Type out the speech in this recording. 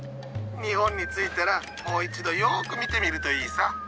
日本に着いたらもう一度よく見てみるといいさ。